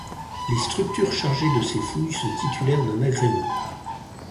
Les structures chargées de ces fouilles sont titulaires d'un agrément.